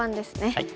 はい。